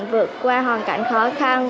vượt qua hoàn cảnh khó khăn